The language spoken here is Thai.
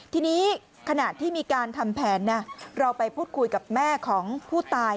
ทีนี้ขณะที่มีการทำแผนเราไปพูดคุยกับแม่ของผู้ตาย